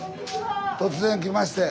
突然来まして。